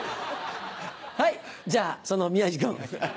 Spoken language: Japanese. はいじゃその宮治君。